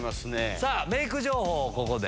さあ、メーク情報をここで。